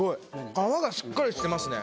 皮がしっかりしてますね。